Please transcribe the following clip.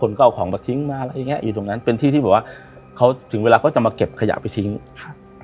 ก็เอาของมาทิ้งมาอะไรอย่างเงี้อยู่ตรงนั้นเป็นที่ที่บอกว่าเขาถึงเวลาเขาจะมาเก็บขยะไปทิ้งครับ